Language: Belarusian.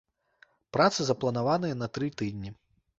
Працы запланаваныя на тры тыдні.